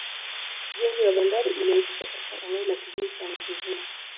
ujenzi wa bandari ulianzishwa katika eneo la kijiji cha mzizima